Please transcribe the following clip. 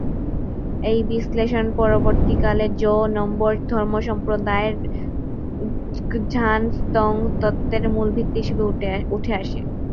এই বিশ্লেষণ পরবর্তীকালে জো-নম্বর ধর্মসম্প্রদায়ের গ্ঝান-স্তোং তত্ত্বের মূল ভিত্তি হিসেবে উঠে আসে।